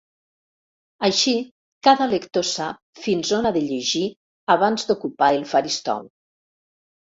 Així cada lector sap fins on ha de llegir abans d'ocupar el faristol.